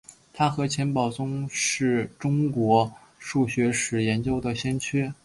他和钱宝琮同是中国数学史研究的先驱。